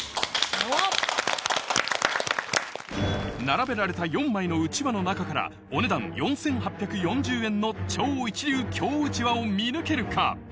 並べられた４枚のうちわの中からお値段４８４０円の超一流京うちわを見抜けるか？